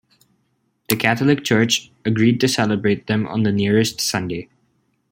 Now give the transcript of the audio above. The Catholic Church agreed to celebrate them on the nearest Sunday.